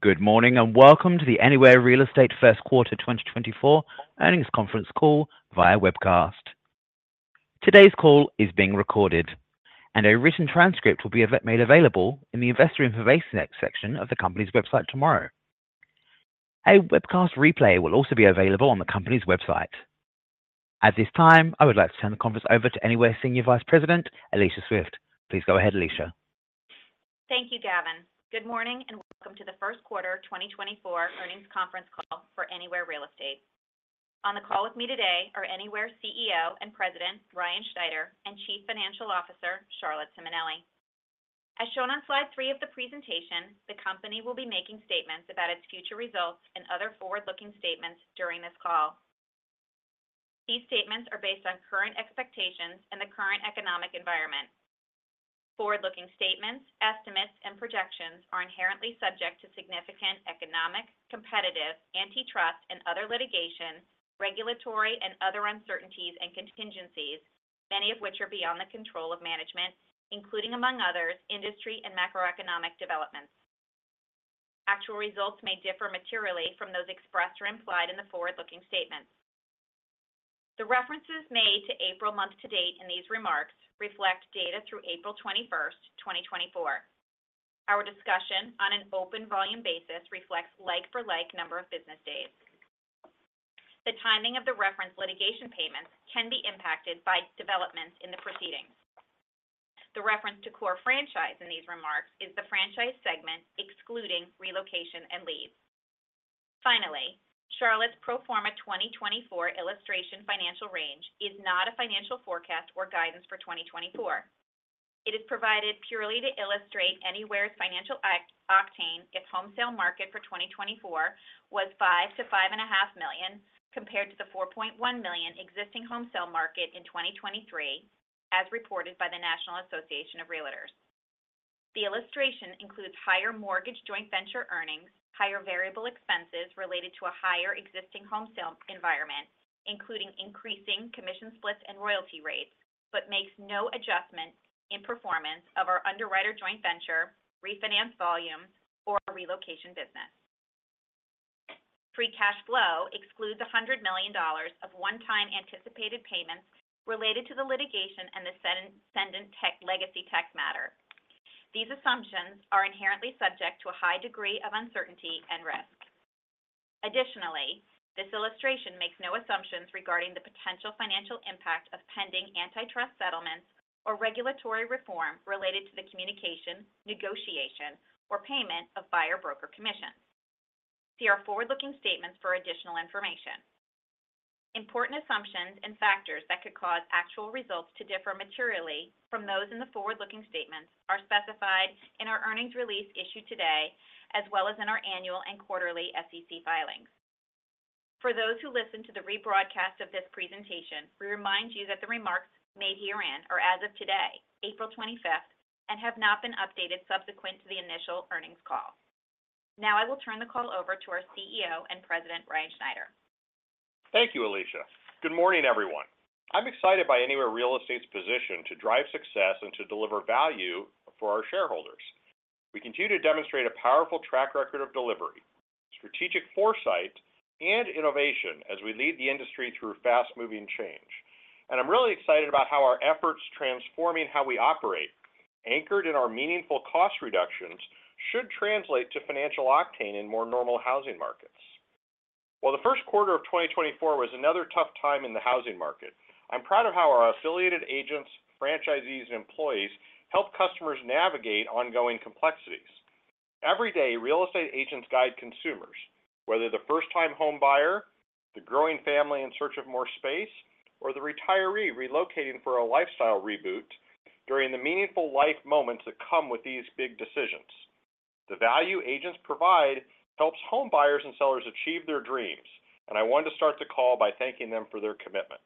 Good morning and welcome to the Anywhere Real Estate First Quarter 2024 earnings conference call via webcast. Today's call is being recorded, and a written transcript will be made available in the investor information section of the company's website tomorrow. A webcast replay will also be available on the company's website. At this time, I would like to turn the conference over to Anywhere Senior Vice President Alicia Swift. Please go ahead, Alicia. Thank you, Gavin. Good morning and welcome to the First Quarter 2024 earnings conference call for Anywhere Real Estate. On the call with me today are Anywhere CEO and President Ryan Schneider and Chief Financial Officer Charlotte Simonelli. As shown on slide three of the presentation, the company will be making statements about its future results and other forward-looking statements during this call. These statements are based on current expectations and the current economic environment. Forward-looking statements, estimates, and projections are inherently subject to significant economic, competitive, antitrust, and other litigation, regulatory, and other uncertainties and contingencies, many of which are beyond the control of management, including among others industry and macroeconomic developments. Actual results may differ materially from those expressed or implied in the forward-looking statements. The references made to April month to date in these remarks reflect data through April 21st, 2024. Our discussion on an open volume basis reflects like-for-like number of business days. The timing of the referenced litigation payments can be impacted by developments in the proceedings. The reference to core franchise in these remarks is the franchise segment excluding relocation and leads. Finally, Charlotte's pro forma 2024 illustration financial range is not a financial forecast or guidance for 2024. It is provided purely to illustrate Anywhere's financial octane if home sale market for 2024 was 5-5.5 million compared to the 4.1 million existing home sale market in 2023, as reported by the National Association of Realtors. The illustration includes higher mortgage joint venture earnings, higher variable expenses related to a higher existing home sale environment, including increasing commission splits and royalty rates, but makes no adjustment in performance of our underwriter joint venture, refinance volumes, or relocation business. Free cash flow excludes $100 million of one-time anticipated payments related to the litigation and the settlement legacy tax matter. These assumptions are inherently subject to a high degree of uncertainty and risk. Additionally, this illustration makes no assumptions regarding the potential financial impact of pending antitrust settlements or regulatory reform related to the communication, negotiation, or payment of buyer broker commissions. See our forward-looking statements for additional information. Important assumptions and factors that could cause actual results to differ materially from those in the forward-looking statements are specified in our earnings release issued today as well as in our annual and quarterly SEC filings. For those who listen to the rebroadcast of this presentation, we remind you that the remarks made herein are as of today, April 25th, and have not been updated subsequent to the initial earnings call. Now I will turn the call over to our CEO and President Ryan Schneider. Thank you, Alicia. Good morning, everyone. I'm excited by Anywhere Real Estate's position to drive success and to deliver value for our shareholders. We continue to demonstrate a powerful track record of delivery, strategic foresight, and innovation as we lead the industry through fast-moving change. I'm really excited about how our efforts transforming how we operate, anchored in our meaningful cost reductions, should translate to financial octane in more normal housing markets. While the first quarter of 2024 was another tough time in the housing market, I'm proud of how our affiliated agents, franchisees, and employees help customers navigate ongoing complexities. Every day, real estate agents guide consumers, whether the first-time homebuyer, the growing family in search of more space, or the retiree relocating for a lifestyle reboot, during the meaningful life moments that come with these big decisions. The value agents provide helps homebuyers and sellers achieve their dreams, and I wanted to start the call by thanking them for their commitment.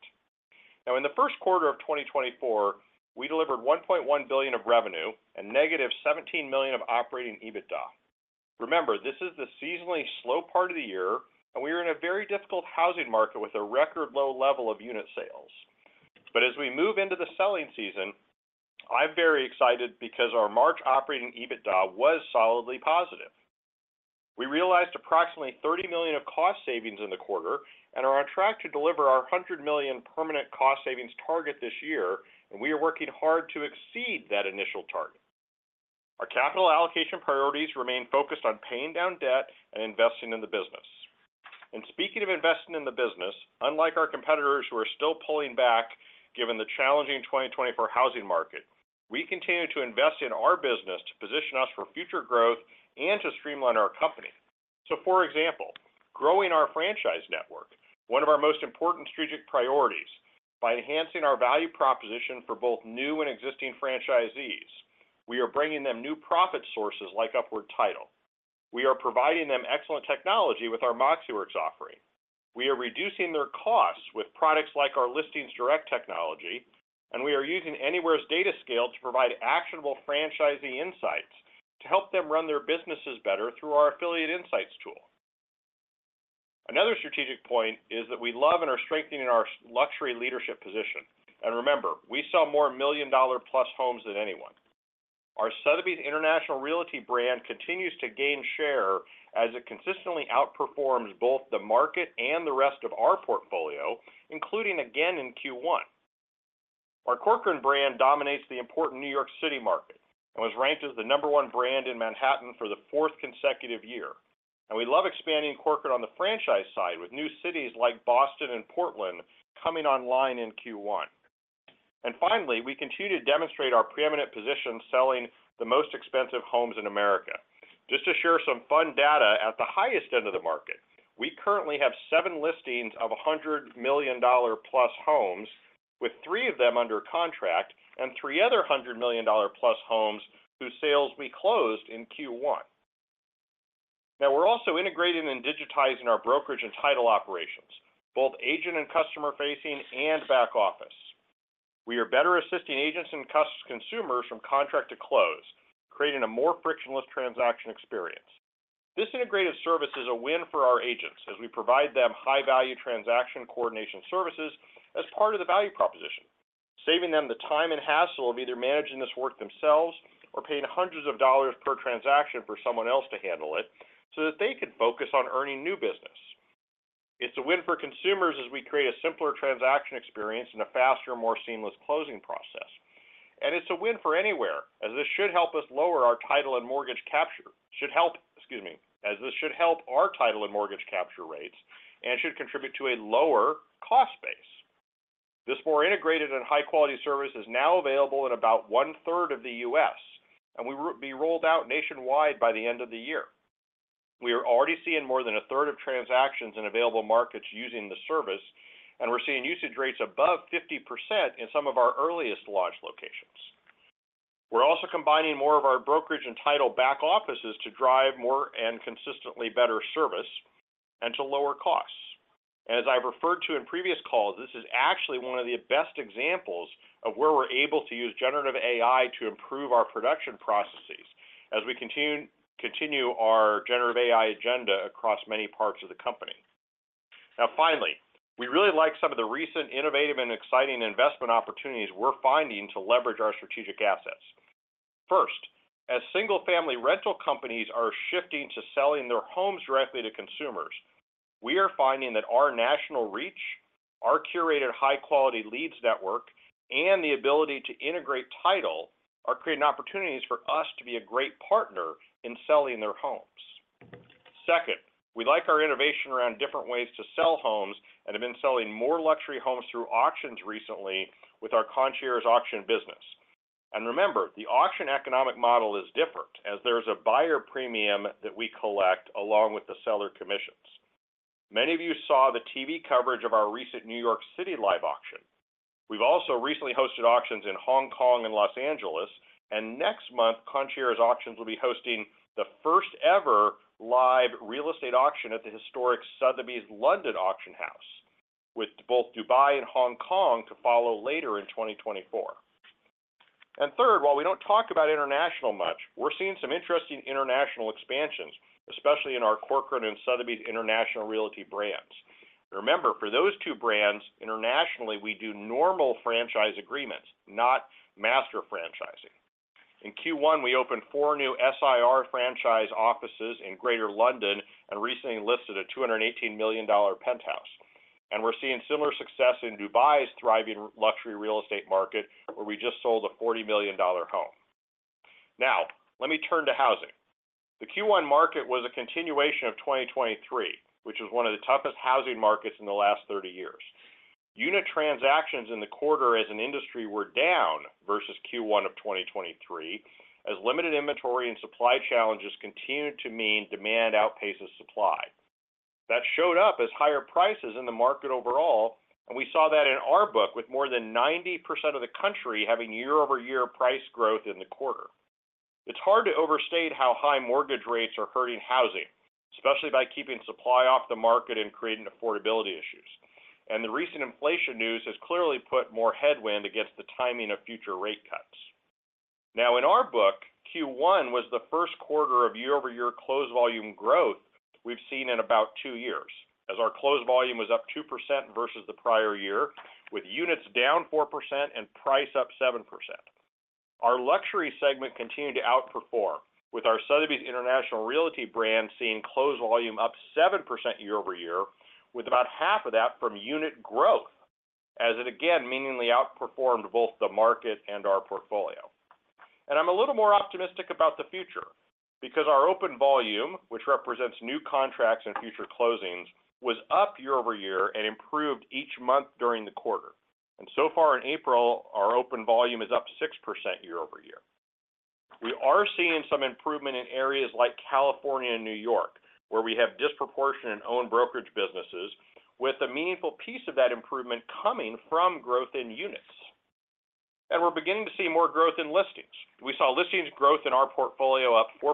Now, in the first quarter of 2024, we delivered $1.1 billion of revenue and negative $17 million of Operating EBITDA. Remember, this is the seasonally slow part of the year, and we are in a very difficult housing market with a record low level of unit sales. But as we move into the selling season, I'm very excited because our March Operating EBITDA was solidly positive. We realized approximately $30 million of cost savings in the quarter and are on track to deliver our $100 million permanent cost savings target this year, and we are working hard to exceed that initial target. Our capital allocation priorities remain focused on paying down debt and investing in the business. And speaking of investing in the business, unlike our competitors who are still pulling back given the challenging 2024 housing market, we continue to invest in our business to position us for future growth and to streamline our company. So, for example, growing our franchise network, one of our most important strategic priorities, by enhancing our value proposition for both new and existing franchisees, we are bringing them new profit sources like Upward Title. We are providing them excellent technology with our MoxiWorks offering. We are reducing their costs with products like our Listing Direct technology, and we are using Anywhere's DataScale to provide actionable franchisee insights to help them run their businesses better through our Affiliate Insights tool. Another strategic point is that we love and are strengthening our luxury leadership position. And remember, we sell more million-dollar-plus homes than anyone. Our Sotheby's International Realty brand continues to gain share as it consistently outperforms both the market and the rest of our portfolio, including again in Q1. Our Corcoran brand dominates the important New York City market and was ranked as the number one brand in Manhattan for the fourth consecutive year. We love expanding Corcoran on the franchise side with new cities like Boston and Portland coming online in Q1. Finally, we continue to demonstrate our preeminent position selling the most expensive homes in America. Just to share some fun data at the highest end of the market, we currently have seven listings of $100 million+ homes, with three of them under contract and three other $100 million+ homes whose sales we closed in Q1. Now, we're also integrating and digitizing our brokerage and title operations, both agent and customer-facing and back office. We are better assisting agents and consumers from contract to close, creating a more frictionless transaction experience. This integrative service is a win for our agents as we provide them high-value transaction coordination services as part of the value proposition, saving them the time and hassle of either managing this work themselves or paying hundreds of dollars per transaction for someone else to handle it so that they can focus on earning new business. It's a win for consumers as we create a simpler transaction experience and a faster, more seamless closing process. It's a win for Anywhere as this should help us lower our title and mortgage capture should help excuse me, as this should help our title and mortgage capture rates and should contribute to a lower cost base. This more integrated and high-quality service is now available in about one-third of the U.S., and we will be rolled out nationwide by the end of the year. We are already seeing more than a third of transactions in available markets using the service, and we're seeing usage rates above 50% in some of our earliest launch locations. We're also combining more of our brokerage and title back offices to drive more and consistently better service and to lower costs. And as I've referred to in previous calls, this is actually one of the best examples of where we're able to use generative AI to improve our production processes as we continue our generative AI agenda across many parts of the company. Now, finally, we really like some of the recent innovative and exciting investment opportunities we're finding to leverage our strategic assets. First, as single-family rental companies are shifting to selling their homes directly to consumers, we are finding that our national reach, our curated high-quality leads network, and the ability to integrate title are creating opportunities for us to be a great partner in selling their homes. Second, we like our innovation around different ways to sell homes and have been selling more luxury homes through auctions recently with our Concierge Auctions business. And remember, the auction economic model is different as there is a buyer premium that we collect along with the seller commissions. Many of you saw the TV coverage of our recent New York City live auction. We've also recently hosted auctions in Hong Kong and Los Angeles, and next month, Concierge Auctions will be hosting the first-ever live real estate auction at the historic Sotheby's London Auction House with both Dubai and Hong Kong to follow later in 2024. And third, while we don't talk about international much, we're seeing some interesting international expansions, especially in our Corcoran and Sotheby's International Realty brands. Remember, for those two brands, internationally, we do normal franchise agreements, not master franchising. In Q1, we opened four new SIR franchise offices in Greater London and recently listed a $218 million penthouse. And we're seeing similar success in Dubai's thriving luxury real estate market where we just sold a $40 million home. Now, let me turn to housing. The Q1 market was a continuation of 2023, which was one of the toughest housing markets in the last 30 years. Unit transactions in the quarter as an industry were down versus Q1 of 2023 as limited inventory and supply challenges continued to mean demand outpaces supply. That showed up as higher prices in the market overall, and we saw that in our book with more than 90% of the country having year-over-year price growth in the quarter. It's hard to overstate how high mortgage rates are hurting housing, especially by keeping supply off the market and creating affordability issues. The recent inflation news has clearly put more headwind against the timing of future rate cuts. Now, in our book, Q1 was the first quarter of year-over-year close volume growth we've seen in about two years as our close volume was up 2% versus the prior year, with units down 4% and price up 7%. Our luxury segment continued to outperform, with our Sotheby's International Realty brand seeing closed volume up 7% year-over-year, with about half of that from unit growth as it, again, meaningfully outperformed both the market and our portfolio. I'm a little more optimistic about the future because our open volume, which represents new contracts and future closings, was up year-over-year and improved each month during the quarter. So far in April, our open volume is up 6% year-over-year. We are seeing some improvement in areas like California and New York where we have disproportionately owned brokerage businesses, with a meaningful piece of that improvement coming from growth in units. We're beginning to see more growth in listings. We saw listings growth in our portfolio up 4%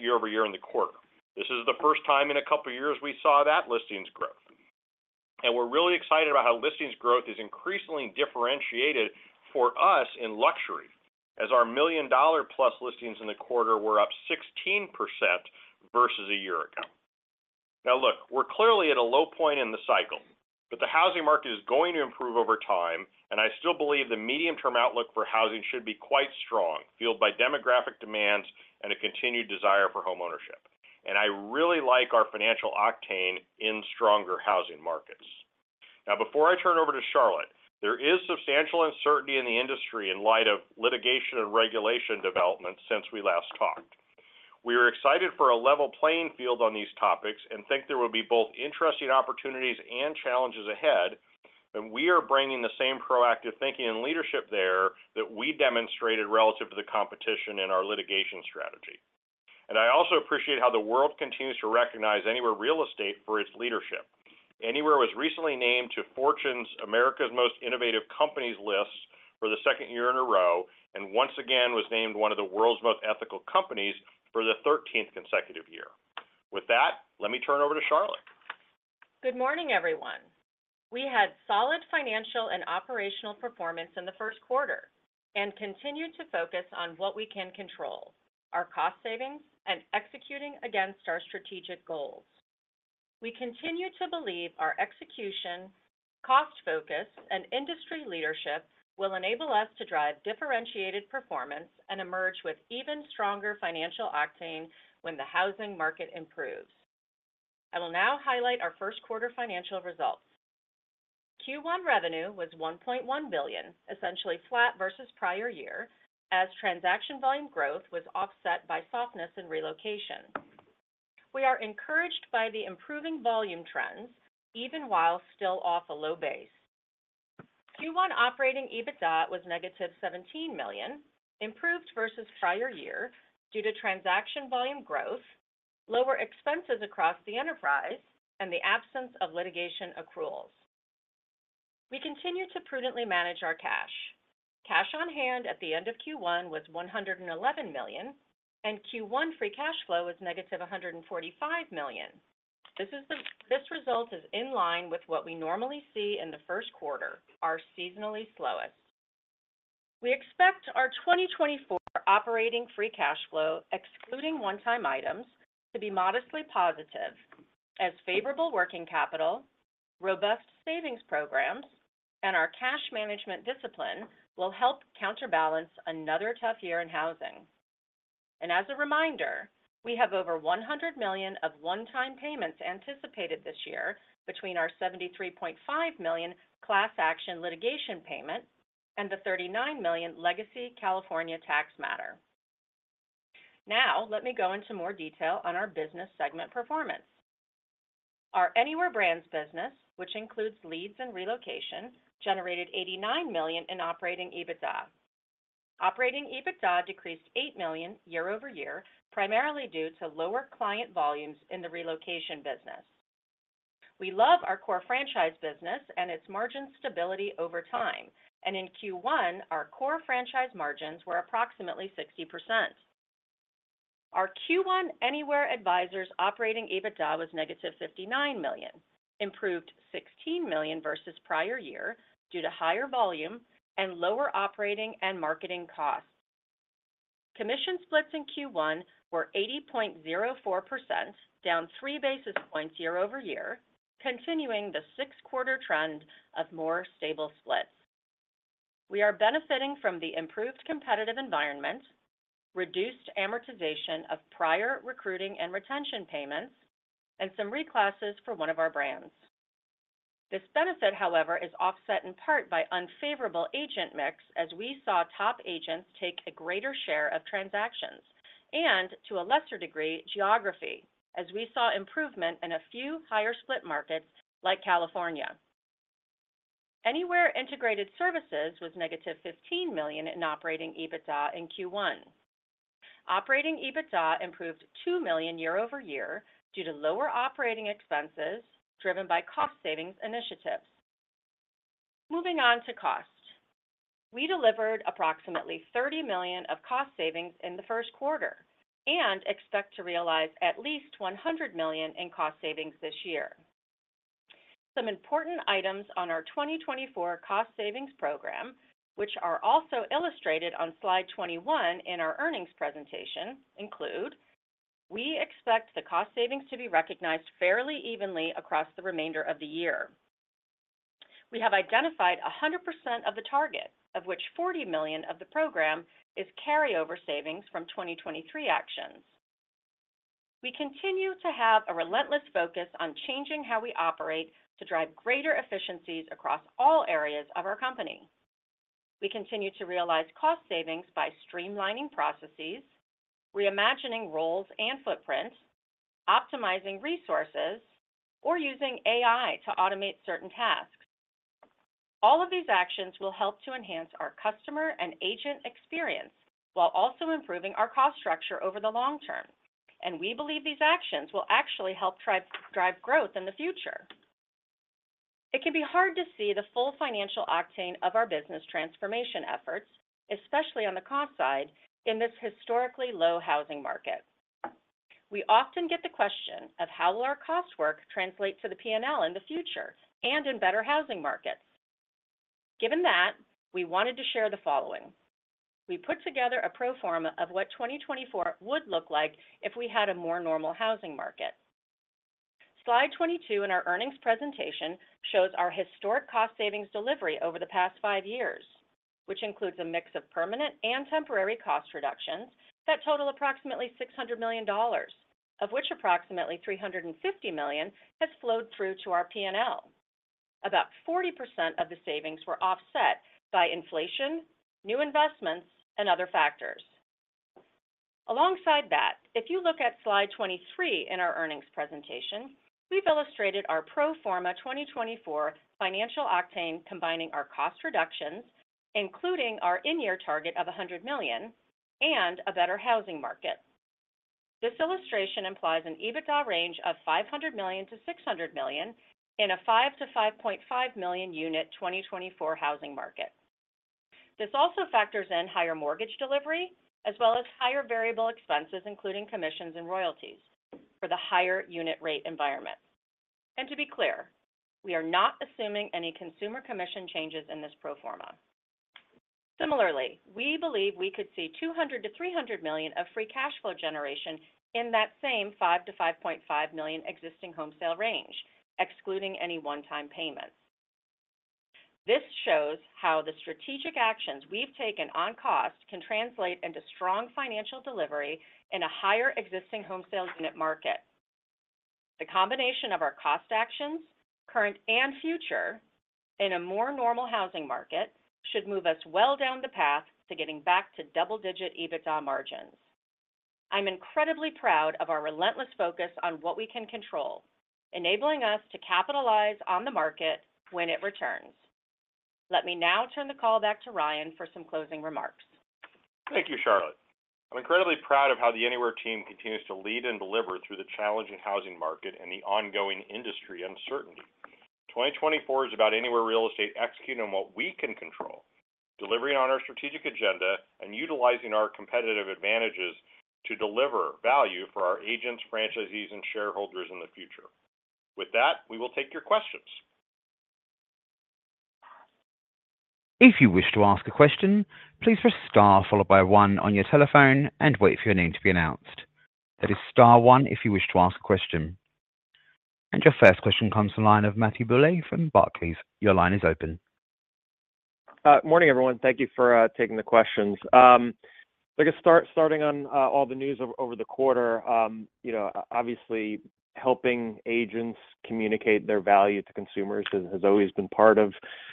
year-over-year in the quarter. This is the first time in a couple of years we saw that listings growth. And we're really excited about how listings growth is increasingly differentiated for us in luxury as our million-dollar-plus listings in the quarter were up 16% versus a year ago. Now, look, we're clearly at a low point in the cycle, but the housing market is going to improve over time, and I still believe the medium-term outlook for housing should be quite strong, fueled by demographic demands and a continued desire for home ownership. And I really like our financial octane in stronger housing markets. Now, before I turn over to Charlotte, there is substantial uncertainty in the industry in light of litigation and regulation developments since we last talked. We are excited for a level playing field on these topics and think there will be both interesting opportunities and challenges ahead. And we are bringing the same proactive thinking and leadership there that we demonstrated relative to the competition in our litigation strategy. And I also appreciate how the world continues to recognize Anywhere Real Estate for its leadership. Anywhere was recently named to Fortune's America's Most Innovative Companies list for the second year in a row and once again was named one of the World's Most Ethical Companies for the 13th consecutive year. With that, let me turn over to Charlotte. Good morning, everyone. We had solid financial and operational performance in the first quarter and continue to focus on what we can control, our cost savings, and executing against our strategic goals. We continue to believe our execution, cost focus, and industry leadership will enable us to drive differentiated performance and emerge with even stronger financial octane when the housing market improves. I will now highlight our first quarter financial results. Q1 revenue was $1.1 billion, essentially flat versus prior year, as transaction volume growth was offset by softness and relocation. We are encouraged by the improving volume trends even while still off a low base. Q1 operating EBITDA was negative $17 million, improved versus prior year due to transaction volume growth, lower expenses across the enterprise, and the absence of litigation accruals. We continue to prudently manage our cash. Cash on hand at the end of Q1 was $111 million, and Q1 free cash flow was negative $145 million. This result is in line with what we normally see in the first quarter, our seasonally slowest. We expect our 2024 operating free cash flow, excluding one-time items, to be modestly positive as favorable working capital, robust savings programs, and our cash management discipline will help counterbalance another tough year in housing. And as a reminder, we have over $100 million of one-time payments anticipated this year between our $73.5 million class action litigation payment and the $39 million legacy California tax matter. Now, let me go into more detail on our business segment performance. Our Anywhere Brands' business, which includes leads and relocation, generated $89 million in operating EBITDA. Operating EBITDA decreased $8 million year-over-year, primarily due to lower client volumes in the relocation business. We love our core franchise business and its margin stability over time. In Q1, our core franchise margins were approximately 60%. Our Q1 Anywhere Advisors' operating EBITDA was negative $59 million, improved $16 million versus prior year due to higher volume and lower operating and marketing costs. Commission splits in Q1 were 80.04%, down three basis points year-over-year, continuing the six-quarter trend of more stable splits. We are benefiting from the improved competitive environment, reduced amortization of prior recruiting and retention payments, and some reclasses for one of our brands. This benefit, however, is offset in part by unfavorable agent mix as we saw top agents take a greater share of transactions and, to a lesser degree, geography as we saw improvement in a few higher split markets like California. Anywhere Integrated Services was negative $15 million in operating EBITDA in Q1. Operating EBITDA improved $2 million year-over-year due to lower operating expenses driven by cost savings initiatives. Moving on to cost, we delivered approximately $30 million of cost savings in the first quarter and expect to realize at least $100 million in cost savings this year. Some important items on our 2024 cost savings program, which are also illustrated on slide 21 in our earnings presentation, include: We expect the cost savings to be recognized fairly evenly across the remainder of the year. We have identified 100% of the target, of which $40 million of the program is carryover savings from 2023 actions. We continue to have a relentless focus on changing how we operate to drive greater efficiencies across all areas of our company. We continue to realize cost savings by streamlining processes, reimagining roles and footprint, optimizing resources, or using AI to automate certain tasks. All of these actions will help to enhance our customer and agent experience while also improving our cost structure over the long term. We believe these actions will actually help drive growth in the future. It can be hard to see the full financial octane of our business transformation efforts, especially on the cost side, in this historically low housing market. We often get the question of how will our cost work translate to the P&L in the future and in better housing markets. Given that, we wanted to share the following: we put together a pro forma of what 2024 would look like if we had a more normal housing market. Slide 22 in our earnings presentation shows our historic cost savings delivery over the past 5 years, which includes a mix of permanent and temporary cost reductions that total approximately $600 million, of which approximately $350 million has flowed through to our P&L. About 40% of the savings were offset by inflation, new investments, and other factors. Alongside that, if you look at slide 23 in our earnings presentation, we've illustrated our pro forma 2024 financial octane combining our cost reductions, including our in-year target of $100 million, and a better housing market. This illustration implies an EBITDA range of $500 million-$600 million in a 5- to 5.5-million-unit 2024 housing market. This also factors in higher mortgage delivery as well as higher variable expenses, including commissions and royalties, for the higher unit rate environment. To be clear, we are not assuming any consumer commission changes in this pro forma. Similarly, we believe we could see $200 million-$300 million of free cash flow generation in that same $5 million-$5.5 million existing home sale range, excluding any one-time payments. This shows how the strategic actions we've taken on cost can translate into strong financial delivery in a higher existing home sale unit market. The combination of our cost actions, current and future, in a more normal housing market should move us well down the path to getting back to double-digit EBITDA margins. I'm incredibly proud of our relentless focus on what we can control, enabling us to capitalize on the market when it returns. Let me now turn the call back to Ryan for some closing remarks. Thank you, Charlotte. I'm incredibly proud of how the Anywhere team continues to lead and deliver through the challenging housing market and the ongoing industry uncertainty. 2024 is about Anywhere Real Estate executing on what we can control, delivering on our strategic agenda, and utilizing our competitive advantages to deliver value for our agents, franchisees, and shareholders in the future. With that, we will take your questions. If you wish to ask a question, please press star followed by one on your telephone and wait for your name to be announced. That is star one if you wish to ask a question. Your first question comes from Matthew Bouley from Barclays. Your line is open. Morning, everyone. Thank you for taking the questions. I guess starting on all the news over the quarter, obviously, helping agents communicate their value to consumers has always been part of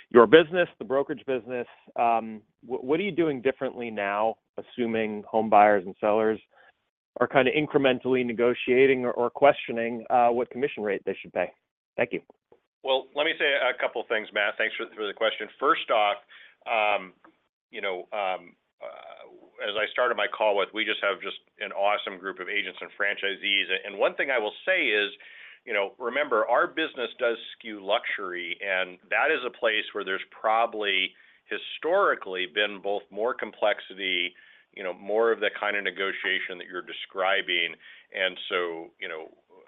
your business, the brokerage business. What are you doing differently now, assuming homebuyers and sellers are kind of incrementally negotiating or questioning what commission rate they should pay? Thank you. Well, let me say a couple of things, Matt. Thanks for the question. First off, as I started my call with, we just have an awesome group of agents and franchisees. And one thing I will say is, remember, our business does skew luxury, and that is a place where there's probably historically been both more complexity, more of that kind of negotiation that you're describing. And so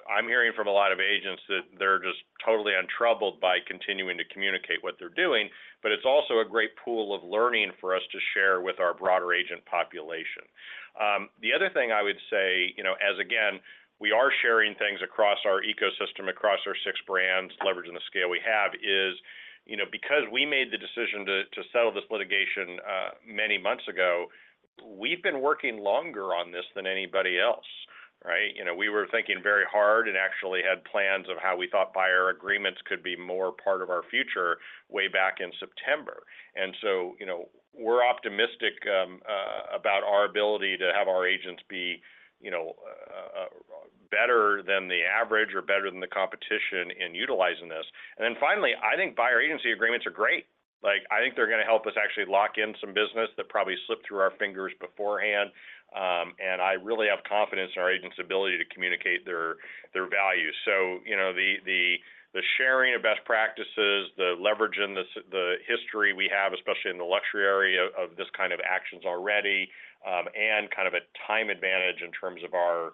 I'm hearing from a lot of agents that they're just totally untroubled by continuing to communicate what they're doing. But it's also a great pool of learning for us to share with our broader agent population. The other thing I would say, as again, we are sharing things across our ecosystem, across our six brands, leveraging the scale we have, is because we made the decision to settle this litigation many months ago, we've been working longer on this than anybody else, right? We were thinking very hard and actually had plans of how we thought buyer agreements could be more part of our future way back in September. And so we're optimistic about our ability to have our agents be better than the average or better than the competition in utilizing this. And then finally, I think buyer agency agreements are great. I think they're going to help us actually lock in some business that probably slipped through our fingers beforehand. And I really have confidence in our agents' ability to communicate their value. The sharing of best practices, the leverage in the history we have, especially in the luxury area of this kind of actions already, and kind of a time advantage in terms of our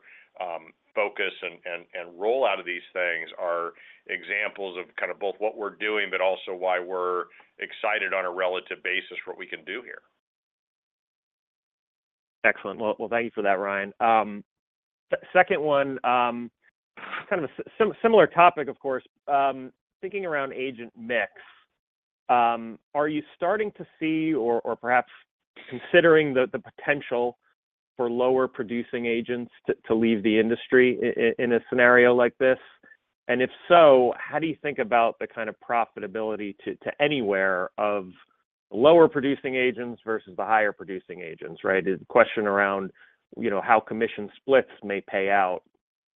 focus and rollout of these things are examples of kind of both what we're doing but also why we're excited on a relative basis for what we can do here. Excellent. Well, thank you for that, Ryan. Second one, kind of a similar topic, of course, thinking around agent mix, are you starting to see or perhaps considering the potential for lower-producing agents to leave the industry in a scenario like this? And if so, how do you think about the kind of profitability to Anywhere of lower-producing agents versus the higher-producing agents, right? The question around how commission splits may pay out,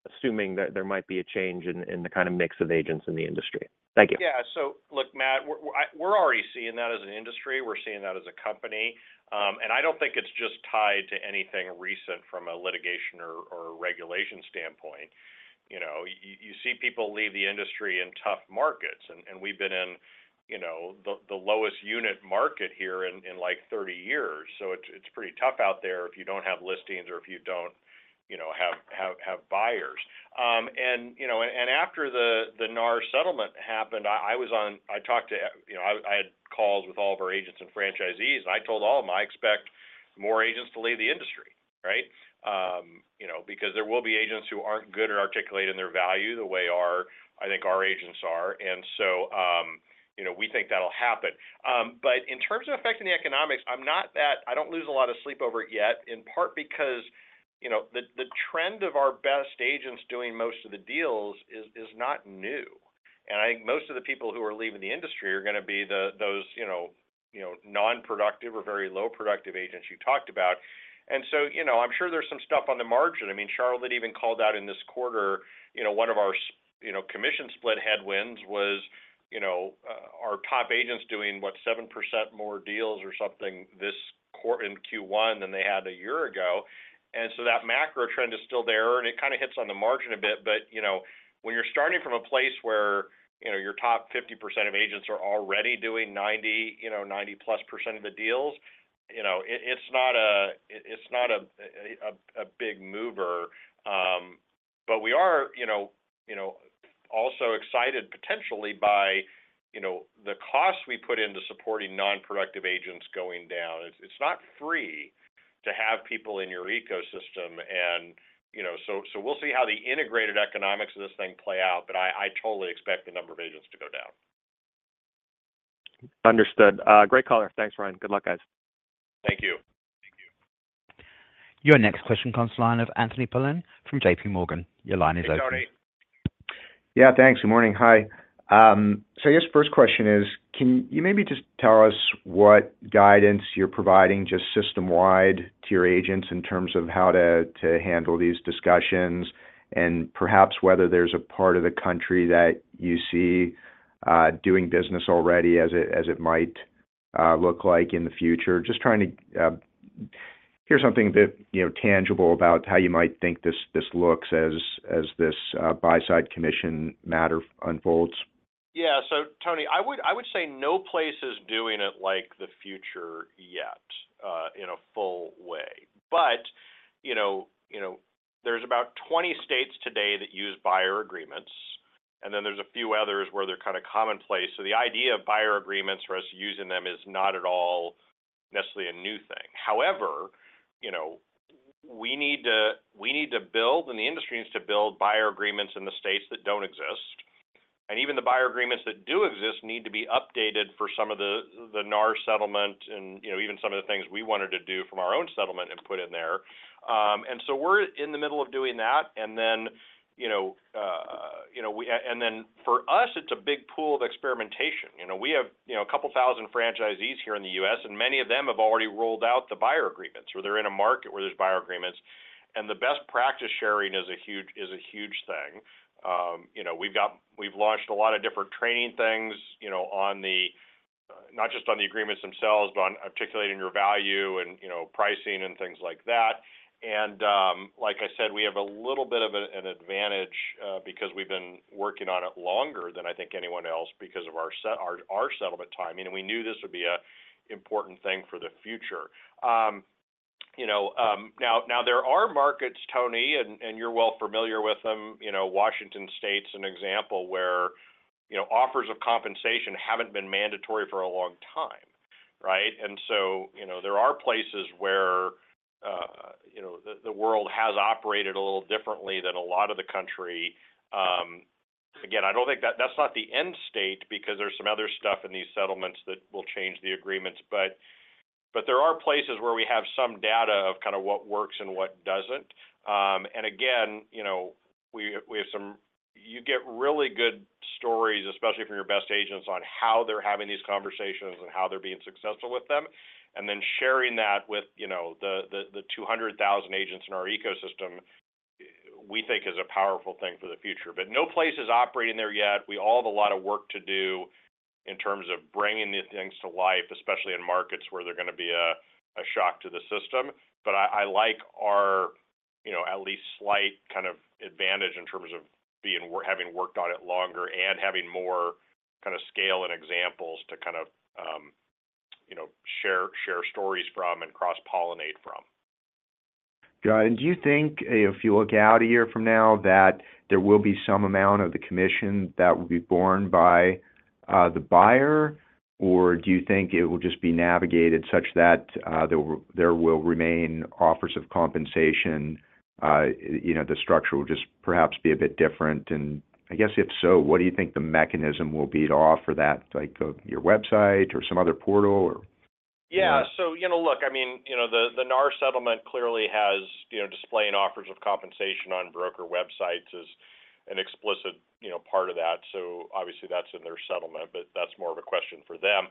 assuming that there might be a change in the kind of mix of agents in the industry. Thank you. Yeah. So look, Matt, we're already seeing that as an industry. We're seeing that as a company. And I don't think it's just tied to anything recent from a litigation or regulation standpoint. You see people leave the industry in tough markets. And we've been in the lowest unit market here in like 30 years. So it's pretty tough out there if you don't have listings or if you don't have buyers. And after the NAR settlement happened, I had calls with all of our agents and franchisees. And I told all of them, "I expect more agents to leave the industry," right? Because there will be agents who aren't good at articulating their value the way I think our agents are. And so we think that'll happen. But in terms of affecting the economics, I'm not that I don't lose a lot of sleep over it yet, in part because the trend of our best agents doing most of the deals is not new. I think most of the people who are leaving the industry are going to be those nonproductive or very low-productive agents you talked about. So I'm sure there's some stuff on the margin. I mean, Charlotte even called out in this quarter, one of our commission split headwinds was our top agents doing, what, 7% more deals or something in Q1 than they had a year ago. So that macro trend is still there. It kind of hits on the margin a bit. But when you're starting from a place where your top 50% of agents are already doing 90%+ of the deals, it's not a big mover. We are also excited, potentially, by the cost we put into supporting nonproductive agents going down. It's not free to have people in your ecosystem. So we'll see how the integrated economics of this thing play out. I totally expect the number of agents to go down. Understood. Great caller. Thanks, Ryan. Good luck, guys. Thank you. Your next question comes to the line of Anthony Paolone from JPMorgan. Your line is open. Hey, Tony. Yeah, thanks. Good morning. Hi. So I guess first question is, can you maybe just tell us what guidance you're providing just system-wide to your agents in terms of how to handle these discussions and perhaps whether there's a part of the country that you see doing business already as it might look like in the future? Just trying to hear something a bit tangible about how you might think this looks as this buy-side commission matter unfolds. Yeah. So Tony, I would say no place is doing it like the future yet in a full way. But there's about 20 states today that use buyer agreements. And then there's a few others where they're kind of commonplace. So the idea of buyer agreements for us using them is not at all necessarily a new thing. However, we need to build and the industry needs to build buyer agreements in the states that don't exist. And even the buyer agreements that do exist need to be updated for some of the NAR settlement and even some of the things we wanted to do from our own settlement and put in there. And so we're in the middle of doing that. And then for us, it's a big pool of experimentation. We have a couple thousand franchisees here in the U.S. Many of them have already rolled out the buyer agreements, or they're in a market where there's buyer agreements. The best practice sharing is a huge thing. We've launched a lot of different training things on not just the agreements themselves, but on articulating your value and pricing and things like that. Like I said, we have a little bit of an advantage because we've been working on it longer than I think anyone else because of our settlement timing. We knew this would be an important thing for the future. Now, there are markets, Tony, and you're well familiar with them, Washington State, as an example, where offers of compensation haven't been mandatory for a long time, right? So there are places where the world has operated a little differently than a lot of the country. Again, I don't think that that's not the end state because there's some other stuff in these settlements that will change the agreements. But there are places where we have some data of kind of what works and what doesn't. And again, we have some you get really good stories, especially from your best agents, on how they're having these conversations and how they're being successful with them. And then sharing that with the 200,000 agents in our ecosystem, we think, is a powerful thing for the future. But no place is operating there yet. We all have a lot of work to do in terms of bringing these things to life, especially in markets where they're going to be a shock to the system. But I like our at least slight kind of advantage in terms of having worked on it longer and having more kind of scale and examples to kind of share stories from and cross-pollinate from. Ryan, do you think if you look out a year from now that there will be some amount of the commission that will be borne by the buyer? Or do you think it will just be navigated such that there will remain offers of compensation? The structure will just perhaps be a bit different. And I guess if so, what do you think the mechanism will be to offer that, like your website or some other portal, or? Yeah. So look, I mean, the NAR settlement clearly has displaying offers of compensation on broker websites as an explicit part of that. So obviously, that's in their settlement. But that's more of a question for them.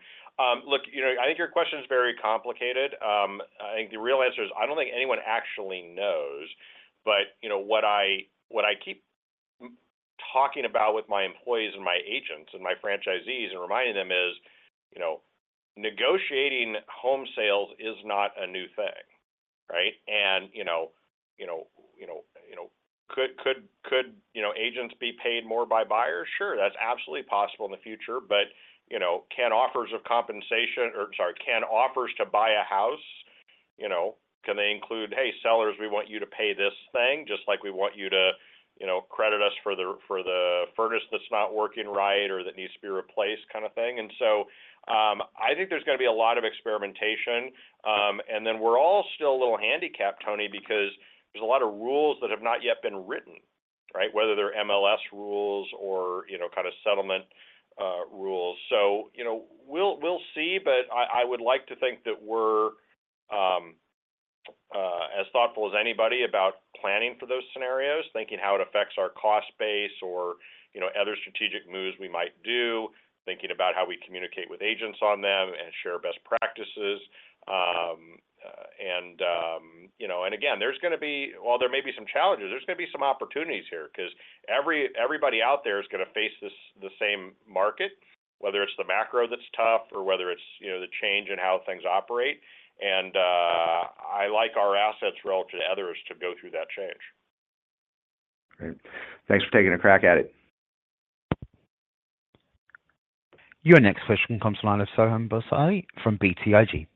Look, I think your question is very complicated. I think the real answer is I don't think anyone actually knows. But what I keep talking about with my employees and my agents and my franchisees and reminding them is negotiating home sales is not a new thing, right? And could agents be paid more by buyers? Sure, that's absolutely possible in the future. But can offers of compensation or sorry, can offers to buy a house, can they include, "Hey, sellers, we want you to pay this thing, just like we want you to credit us for the furnace that's not working right or that needs to be replaced," kind of thing? So I think there's going to be a lot of experimentation. And then we're all still a little handicapped, Tony, because there's a lot of rules that have not yet been written, right, whether they're MLS rules or kind of settlement rules. So we'll see. But I would like to think that we're as thoughtful as anybody about planning for those scenarios, thinking how it affects our cost base or other strategic moves we might do, thinking about how we communicate with agents on them and share best practices. And again, there's going to be, while there may be some challenges, some opportunities here because everybody out there is going to face the same market, whether it's the macro that's tough or whether it's the change in how things operate. And I like our assets relative to others to go through that change. Great. Thanks for taking a crack at it. Your next question comes to the line of Soham Bhonsle from BTIG.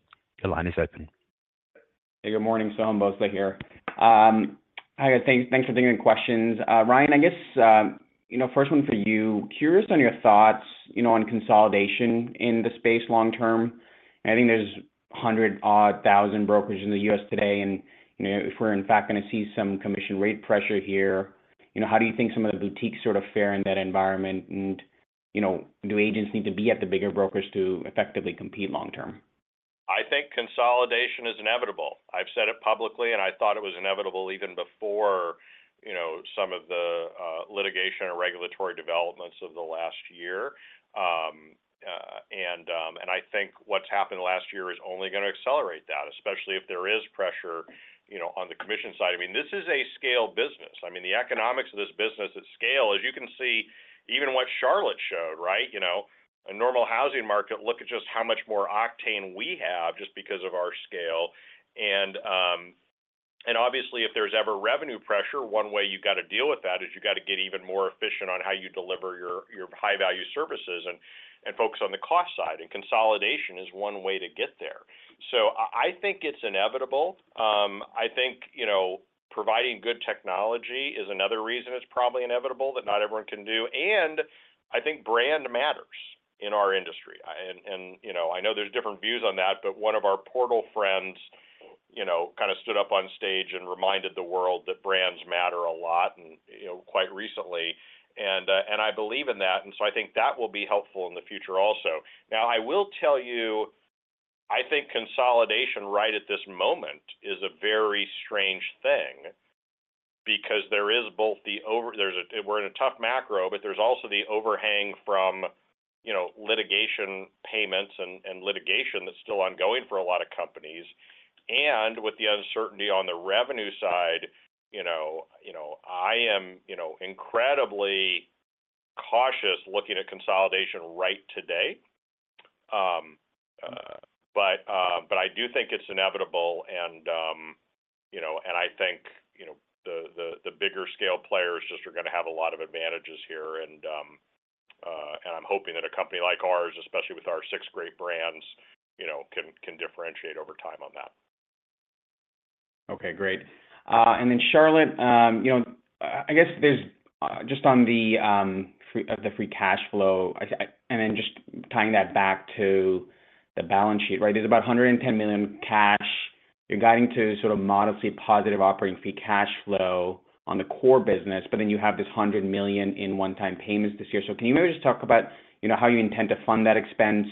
Your line is open. Hey, good morning. Soham Bhonsle here. Thanks for taking the questions. Ryan, I guess first one for you, curious on your thoughts on consolidation in the space long term. And I think there's 100,000-odd brokers in the U.S. today. And if we're, in fact, going to see some commission rate pressure here, how do you think some of the boutiques sort of fare in that environment? And do agents need to be at the bigger brokers to effectively compete long term? I think consolidation is inevitable. I've said it publicly. I thought it was inevitable even before some of the litigation or regulatory developments of the last year. I think what's happened last year is only going to accelerate that, especially if there is pressure on the commission side. I mean, this is a scale business. I mean, the economics of this business at scale, as you can see, even what Charlotte showed, right, a normal housing market, look at just how much more octane we have just because of our scale. Obviously, if there's ever revenue pressure, one way you've got to deal with that is you've got to get even more efficient on how you deliver your high-value services and focus on the cost side. Consolidation is one way to get there. I think it's inevitable. I think providing good technology is another reason it's probably inevitable that not everyone can do. And I think brand matters in our industry. And I know there's different views on that. But one of our portal friends kind of stood up on stage and reminded the world that brands matter a lot quite recently. And I believe in that. And so I think that will be helpful in the future also. Now, I will tell you, I think consolidation right at this moment is a very strange thing because there is both the overhang, we're in a tough macro. But there's also the overhang from litigation payments and litigation that's still ongoing for a lot of companies. And with the uncertainty on the revenue side, I am incredibly cautious looking at consolidation right today. But I do think it's inevitable. I think the bigger-scale players just are going to have a lot of advantages here. I'm hoping that a company like ours, especially with our six great brands, can differentiate over time on that. Okay. Great. And then Charlotte, I guess just on the free cash flow and then just tying that back to the balance sheet, right, there's about $110 million cash. You're guiding to sort of modestly positive operating free cash flow on the core business. But then you have this $100 million in one-time payments this year. So can you maybe just talk about how you intend to fund that expense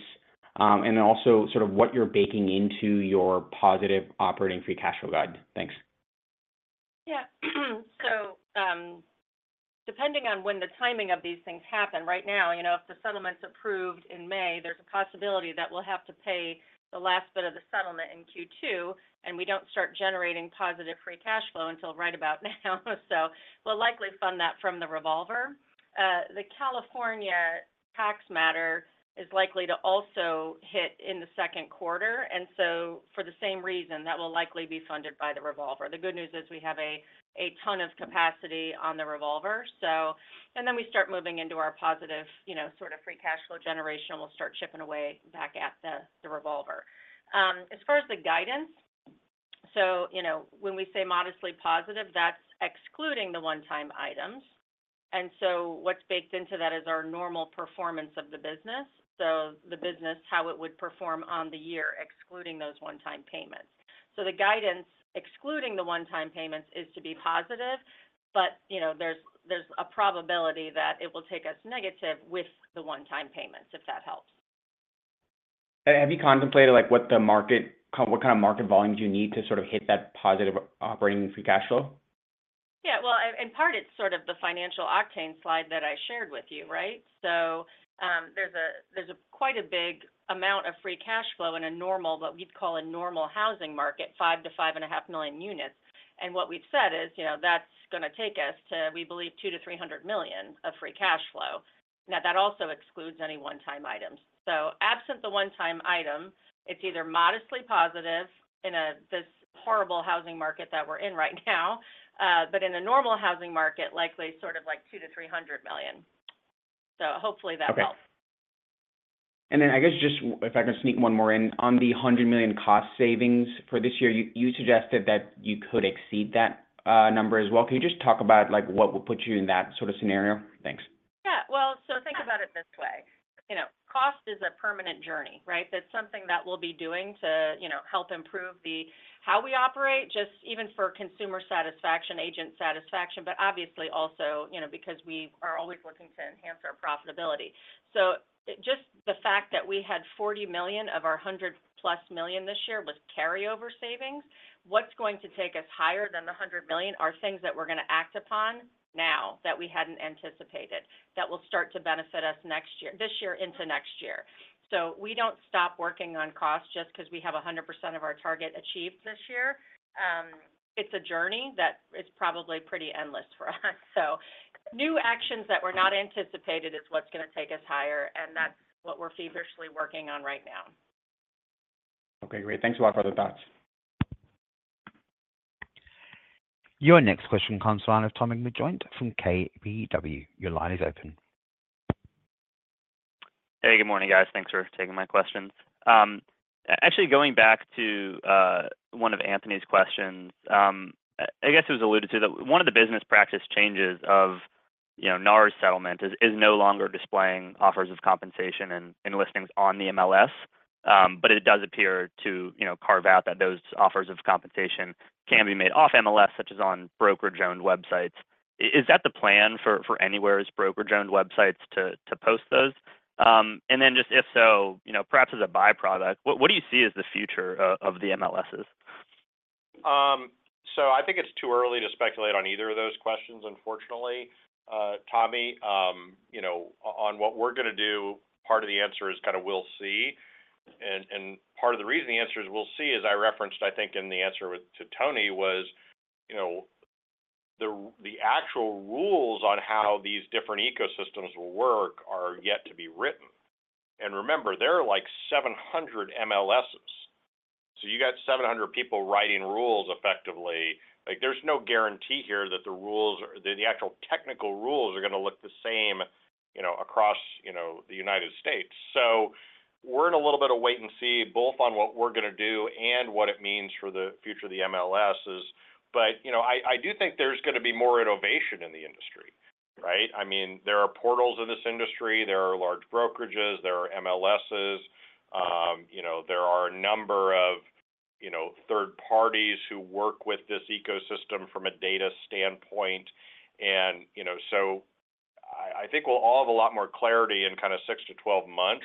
and then also sort of what you're baking into your positive operating free cash flow guide? Thanks. Yeah. So depending on when the timing of these things happen, right now, if the settlement's approved in May, there's a possibility that we'll have to pay the last bit of the settlement in Q2. And we don't start generating positive free cash flow until right about now. So we'll likely fund that from the revolver. The California tax matter is likely to also hit in the second quarter. And so for the same reason, that will likely be funded by the revolver. The good news is we have a ton of capacity on the revolver. And then we start moving into our positive sort of free cash flow generation. We'll start chipping away back at the revolver. As far as the guidance, so when we say modestly positive, that's excluding the one-time items. What's baked into that is our normal performance of the business, so the business, how it would perform on the year, excluding those one-time payments. The guidance excluding the one-time payments is to be positive. But there's a probability that it will take us negative with the one-time payments, if that helps. Have you contemplated what kind of market volumes you need to sort of hit that positive operating free cash flow? Yeah. Well, in part, it's sort of the financial octane slide that I shared with you, right? So there's quite a big amount of free cash flow in a normal what we'd call a normal housing market, 5-5.5 million units. And what we've said is that's going to take us to, we believe, $200 million-$300 million of free cash flow. Now, that also excludes any one-time items. So absent the one-time item, it's either modestly positive in this horrible housing market that we're in right now, but in a normal housing market, likely sort of like $200 million-$300 million. So hopefully, that helps. Okay. And then I guess just if I can sneak one more in, on the $100 million cost savings for this year, you suggested that you could exceed that number as well. Can you just talk about what would put you in that sort of scenario? Thanks. Yeah. Well, so think about it this way. Cost is a permanent journey, right? That's something that we'll be doing to help improve how we operate, just even for consumer satisfaction, agent satisfaction, but obviously also because we are always looking to enhance our profitability. So just the fact that we had $40 million of our $100+ million this year was carryover savings. What's going to take us higher than the $100 million are things that we're going to act upon now that we hadn't anticipated that will start to benefit us this year into next year. So we don't stop working on cost just because we have 100% of our target achieved this year. It's a journey that is probably pretty endless for us. So new actions that were not anticipated is what's going to take us higher. And that's what we're feverishly working on right now. Okay. Great. Thanks a lot for the thoughts. Your next question comes to the line of Tommy McJoynt from KBW. Your line is open. Hey, good morning, guys. Thanks for taking my questions. Actually, going back to one of Anthony's questions, I guess it was alluded to that one of the business practice changes of NAR settlement is no longer displaying offers of compensation and listings on the MLS. But it does appear to carve out that those offers of compensation can be made off MLS, such as on broker-owned websites. Is that the plan for Anywhere's broker-owned websites to post those? And then just if so, perhaps as a byproduct, what do you see as the future of the MLSs? So I think it's too early to speculate on either of those questions, unfortunately. Tommy, on what we're going to do, part of the answer is kind of we'll see. And part of the reason the answer is we'll see is I referenced, I think, in the answer to Tony was the actual rules on how these different ecosystems will work are yet to be written. And remember, there are like 700 MLSs. So you got 700 people writing rules, effectively. There's no guarantee here that the actual technical rules are going to look the same across the United States. So we're in a little bit of wait and see, both on what we're going to do and what it means for the future of the MLSs. But I do think there's going to be more innovation in the industry, right? I mean, there are portals in this industry. There are large brokerages. There are MLSs. There are a number of third parties who work with this ecosystem from a data standpoint. I think we'll all have a lot more clarity in kind of 6-12 months,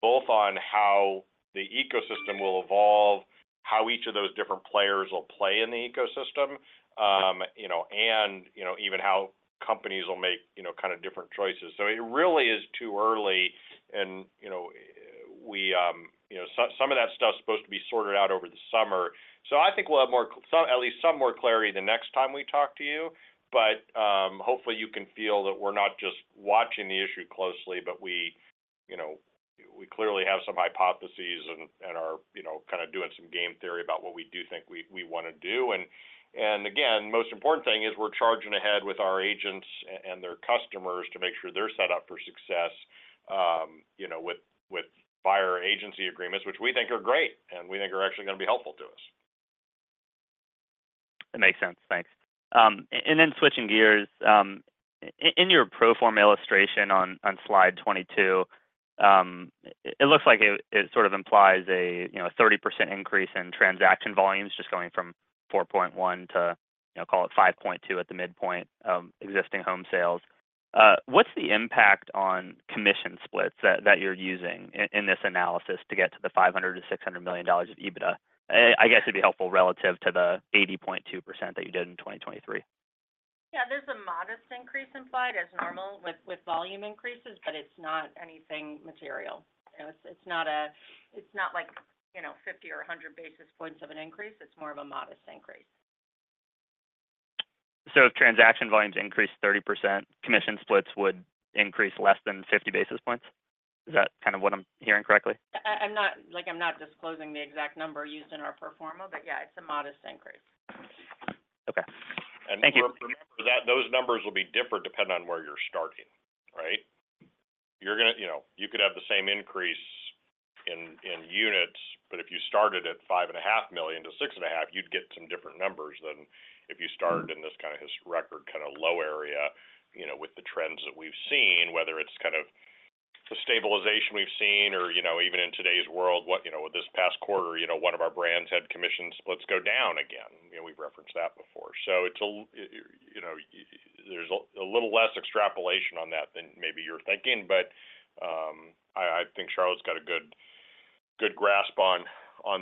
both on how the ecosystem will evolve, how each of those different players will play in the ecosystem, and even how companies will make kind of different choices. It really is too early. Some of that stuff's supposed to be sorted out over the summer. I think we'll have at least some more clarity the next time we talk to you. Hopefully, you can feel that we're not just watching the issue closely, but we clearly have some hypotheses and are kind of doing some game theory about what we do think we want to do. And again, most important thing is we're charging ahead with our agents and their customers to make sure they're set up for success with buyer agency agreements, which we think are great. And we think are actually going to be helpful to us. That makes sense. Thanks. Then switching gears, in your pro forma illustration on slide 22, it looks like it sort of implies a 30% increase in transaction volumes, just going from 4.1 to, call it 5.2 at the midpoint, existing home sales. What's the impact on commission splits that you're using in this analysis to get to the $500 million-$600 million of EBITDA? I guess it'd be helpful relative to the 80.2% that you did in 2023. Yeah. There's a modest increase implied as normal with volume increases. But it's not anything material. It's not like 50 or 100 basis points of an increase. It's more of a modest increase. So if transaction volumes increased 30%, commission splits would increase less than 50 basis points? Is that kind of what I'm hearing correctly? I'm not disclosing the exact number used in our pro forma. But yeah, it's a modest increase. Okay. And remember that those numbers will be different depending on where you're starting, right? You could have the same increase in units. But if you started at 5.5 million-6.5 million, you'd get some different numbers than if you started in this kind of record kind of low area with the trends that we've seen, whether it's kind of the stabilization we've seen or even in today's world, with this past quarter, one of our brands had commission splits go down again. We've referenced that before. So there's a little less extrapolation on that than maybe you're thinking. But I think Charlotte's got a good grasp on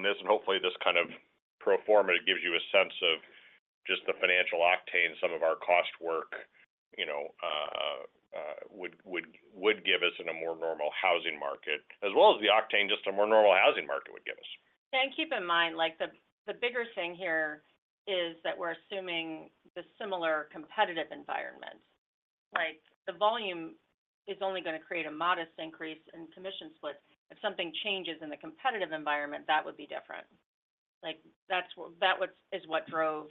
this. Hopefully, this kind of pro forma, it gives you a sense of just the financial octane some of our cost work would give us in a more normal housing market, as well as the octane just a more normal housing market would give us. Keep in mind, the bigger thing here is that we're assuming the similar competitive environment. The volume is only going to create a modest increase in commission splits. If something changes in the competitive environment, that would be different. That is what drove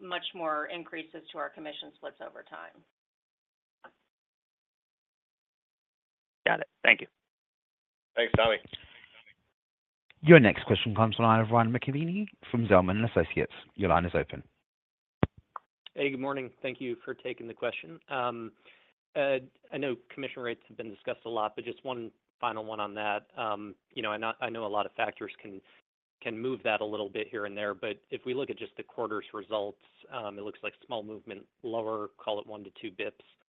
much more increases to our commission splits over time. Got it. Thank you. Thanks, Tommy. Your next question comes to the line of Ryan McKeveny from Zelman & Associates. Your line is open. Hey, good morning. Thank you for taking the question. I know commission rates have been discussed a lot. But just one final one on that. I know a lot of factors can move that a little bit here and there. But if we look at just the quarter's results, it looks like small movement, lower, call it one-two basis points in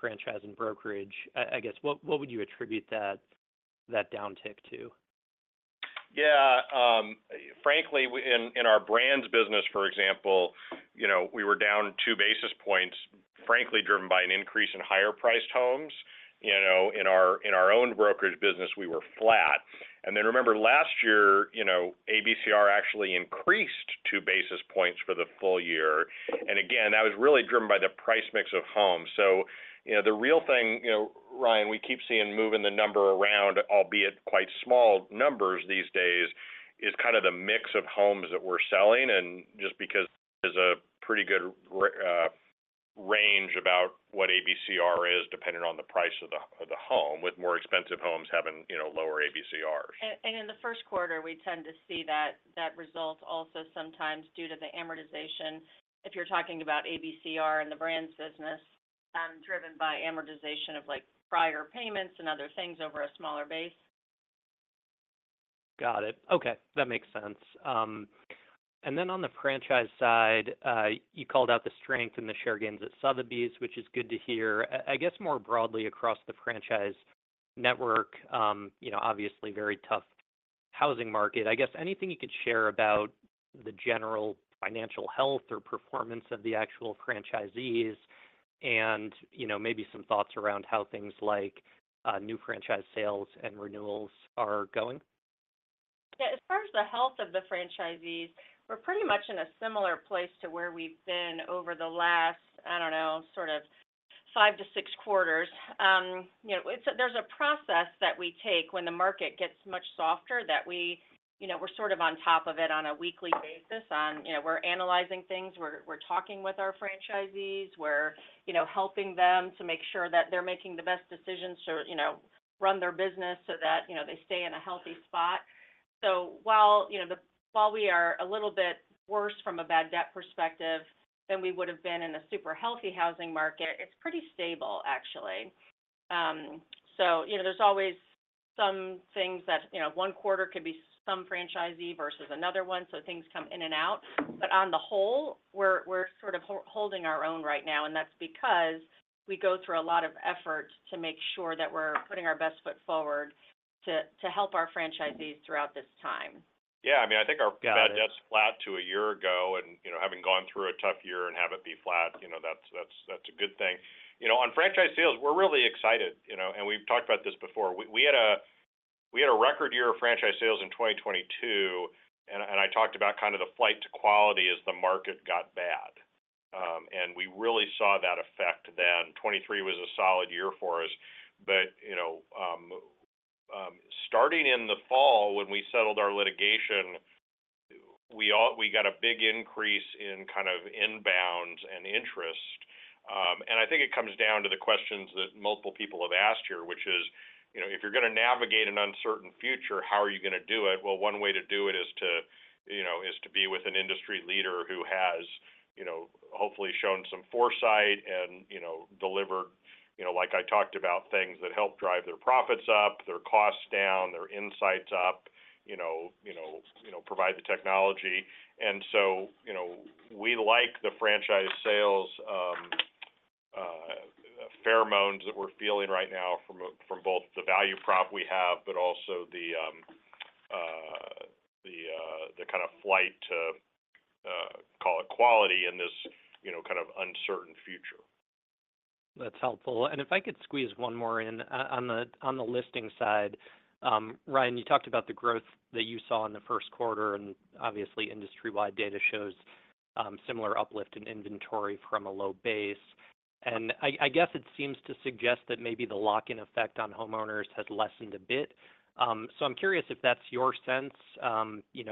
franchise and brokerage. I guess what would you attribute that downtick to? Yeah. Frankly, in our brand's business, for example, we were down two basis points, frankly, driven by an increase in higher-priced homes. In our own brokerage business, we were flat. And then remember, last year, ABCR actually increased two basis points for the full year. And again, that was really driven by the price mix of homes. So the real thing, Ryan, we keep seeing moving the number around, albeit quite small numbers these days, is kind of the mix of homes that we're selling. And just because there's a pretty good range about what ABCR is depending on the price of the home, with more expensive homes having lower ABCRs. In the first quarter, we tend to see that result also sometimes due to the amortization, if you're talking about ABCR and the brand's business, driven by amortization of prior payments and other things over a smaller base. Got it. Okay. That makes sense. And then on the franchise side, you called out the strength in the share gains at Sotheby's, which is good to hear. I guess more broadly across the franchise network, obviously very tough housing market. I guess anything you could share about the general financial health or performance of the actual franchisees and maybe some thoughts around how things like new franchise sales and renewals are going? Yeah. As far as the health of the franchisees, we're pretty much in a similar place to where we've been over the last, I don't know, sort of 5-6 quarters. There's a process that we take when the market gets much softer that we're sort of on top of it on a weekly basis. We're analyzing things. We're talking with our franchisees. We're helping them to make sure that they're making the best decisions to run their business so that they stay in a healthy spot. So while we are a little bit worse from a bad debt perspective than we would have been in a super healthy housing market, it's pretty stable, actually. So there's always some things that one quarter could be some franchisee versus another one. So things come in and out. But on the whole, we're sort of holding our own right now. That's because we go through a lot of effort to make sure that we're putting our best foot forward to help our franchisees throughout this time. Yeah. I mean, I think our bad debt's flat to a year ago. And having gone through a tough year and have it be flat, that's a good thing. On franchise sales, we're really excited. And we've talked about this before. We had a record year of franchise sales in 2022. And I talked about kind of the flight to quality as the market got bad. And we really saw that effect then. 2023 was a solid year for us. But starting in the fall, when we settled our litigation, we got a big increase in kind of inbounds and interest. And I think it comes down to the questions that multiple people have asked here, which is, if you're going to navigate an uncertain future, how are you going to do it? Well, one way to do it is to be with an industry leader who has hopefully shown some foresight and delivered, like I talked about, things that help drive their profits up, their costs down, their insights up, provide the technology. And so we like the franchise sales phenomena that we're feeling right now from both the value prop we have but also the kind of flight to, call it, quality in this kind of uncertain future. That's helpful. If I could squeeze one more in. On the listing side, Ryan, you talked about the growth that you saw in the first quarter. Obviously, industry-wide data shows similar uplift in inventory from a low base. I guess it seems to suggest that maybe the lock-in effect on homeowners has lessened a bit. I'm curious if that's your sense,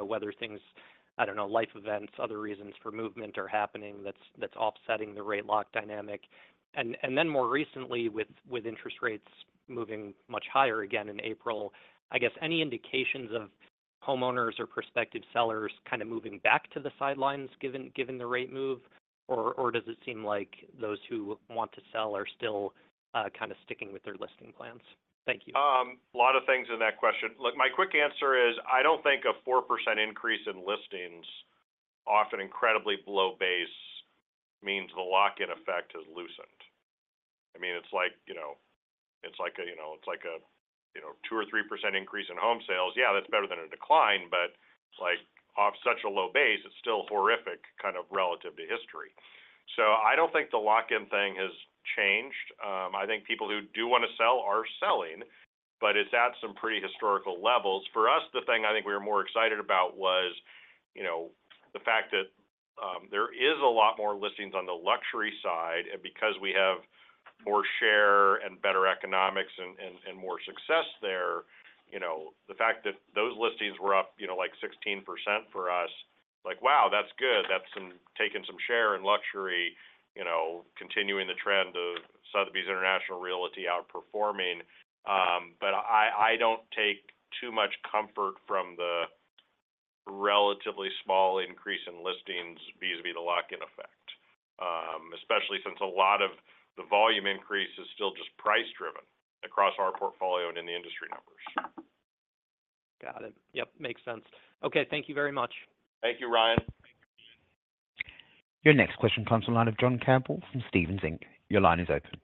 whether things, I don't know, life events, other reasons for movement are happening that's offsetting the rate lock dynamic. Then more recently, with interest rates moving much higher again in April, I guess any indications of homeowners or prospective sellers kind of moving back to the sidelines given the rate move? Or does it seem like those who want to sell are still kind of sticking with their listing plans? Thank you. A lot of things in that question. Look, my quick answer is I don't think a 4% increase in listings, often incredibly below base, means the lock-in effect has loosened. I mean, it's like a 2% or 3% increase in home sales. Yeah, that's better than a decline. But off such a low base, it's still horrific kind of relative to history. So I don't think the lock-in thing has changed. I think people who do want to sell are selling. But it's at some pretty historical levels. For us, the thing I think we were more excited about was the fact that there is a lot more listings on the luxury side. And because we have more share and better economics and more success there, the fact that those listings were up like 16% for us, like, "Wow, that's good. That's taken some share in luxury, continuing the trend of Sotheby's International Realty outperforming." But I don't take too much comfort from the relatively small increase in listings vis-à-vis the lock-in effect, especially since a lot of the volume increase is still just price-driven across our portfolio and in the industry numbers. Got it. Yep. Makes sense. Okay. Thank you very much. Thank you, Ryan. Your next question comes to the line of John Campbell from Stephens Inc. Your line is open.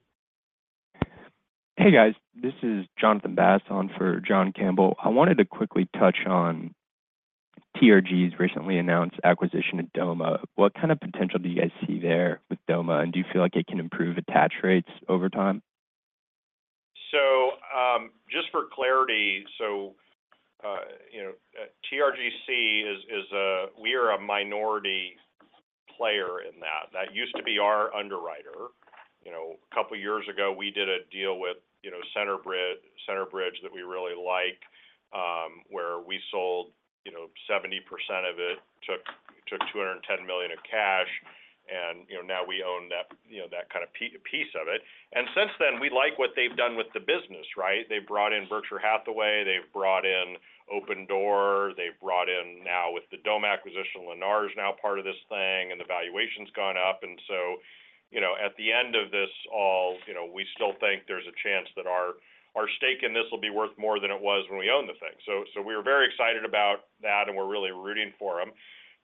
Hey, guys. This is Jonathan Bass for John Campbell. I wanted to quickly touch on TRG's recently announced acquisition of Doma. What kind of potential do you guys see there with Doma? And do you feel like it can improve attach rates over time? So just for clarity, TRG is, we are a minority player in that. That used to be our underwriter. A couple of years ago, we did a deal with Centerbridge that we really like, where we sold 70% of it, took $210 million in cash. And now we own that kind of piece of it. And since then, we like what they've done with the business, right? They've brought in Berkshire Hathaway. They've brought in Opendoor. They've brought in now, with the Doma acquisition, Lennar now part of this thing. And the valuation's gone up. And so at the end of this all, we still think there's a chance that our stake in this will be worth more than it was when we owned the thing. So we were very excited about that. And we're really rooting for them.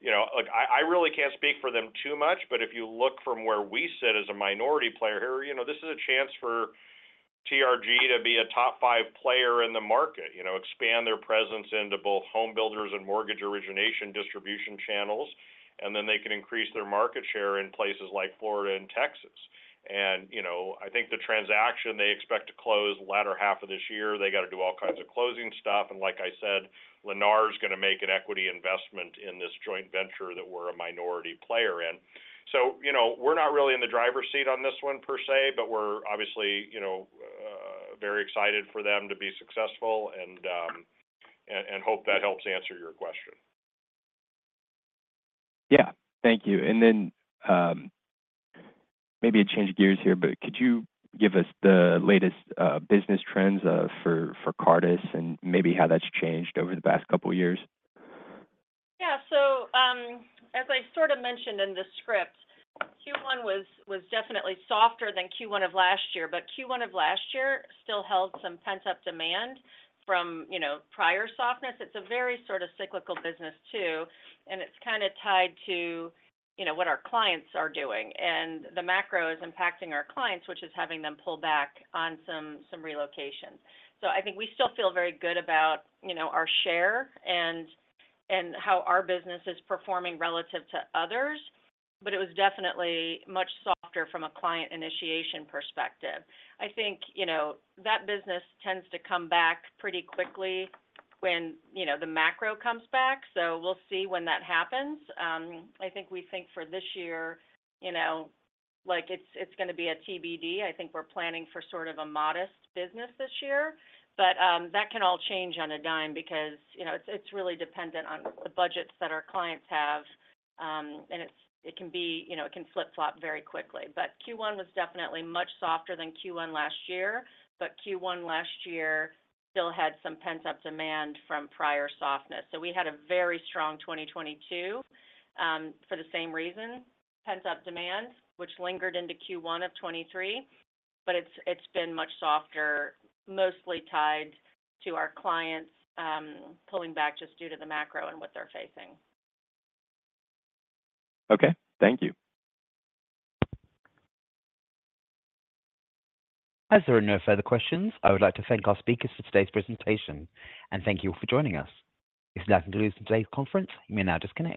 I really can't speak for them too much. But if you look from where we sit as a minority player here, this is a chance for TRG to be a top five player in the market, expand their presence into both home builders and mortgage origination distribution channels. And then they can increase their market share in places like Florida and Texas. And I think the transaction they expect to close latter half of this year, they got to do all kinds of closing stuff. And like I said, Lennar is going to make an equity investment in this joint venture that we're a minority player in. So we're not really in the driver's seat on this one per se. But we're obviously very excited for them to be successful and hope that helps answer your question. Yeah. Thank you. And then maybe a change of gears here. But could you give us the latest business trends for Cartus and maybe how that's changed over the past couple of years? Yeah. So as I sort of mentioned in the script, Q1 was definitely softer than Q1 of last year. But Q1 of last year still held some pent-up demand from prior softness. It's a very sort of cyclical business too. And it's kind of tied to what our clients are doing. And the macro is impacting our clients, which is having them pull back on some relocations. So I think we still feel very good about our share and how our business is performing relative to others. But it was definitely much softer from a client initiation perspective. I think that business tends to come back pretty quickly when the macro comes back. So we'll see when that happens. I think we think for this year, it's going to be a TBD. I think we're planning for sort of a modest business this year. But that can all change on a dime because it's really dependent on the budgets that our clients have. And it can flip-flop very quickly. But Q1 was definitely much softer than Q1 last year. But Q1 last year still had some pent-up demand from prior softness. So we had a very strong 2022 for the same reason, pent-up demand, which lingered into Q1 of 2023. But it's been much softer, mostly tied to our clients pulling back just due to the macro and what they're facing. Okay. Thank you. As there are no further questions, I would like to thank our speakers for today's presentation. Thank you all for joining us. If you'd like to conclude today's conference, you may now disconnect.